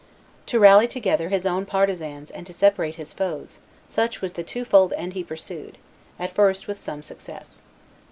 To rally together his own partisans and to separate his foes, such was the twofold end he pursued, at first with some success.